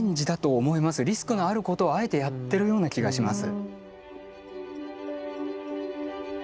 リスクのあることをあえてやってるような気がします。